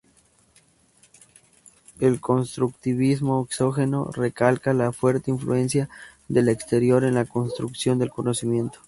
El constructivismo exógeno recalca la fuerte influencia del exterior en la construcción del conocimiento.